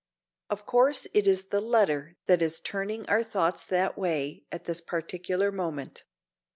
Of course it is the letter that is turning our thoughts that way at this particular moment.